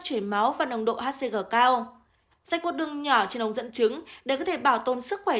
chống máu và nồng độ hcg cao xách một đường nhỏ trên ống dẫn chứng để có thể bảo tồn sức khỏe